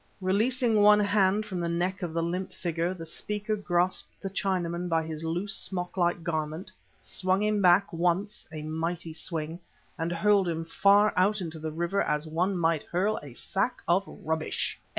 Releasing one hand from the neck of the limp figure, the speaker grasped the Chinaman by his loose, smock like garment, swung him back, once a mighty swing and hurled him far out into the river as one might hurl a sack of rubbish!